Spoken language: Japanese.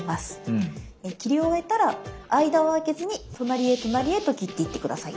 切り終えたら間をあけずに隣へ隣へと切っていって下さい。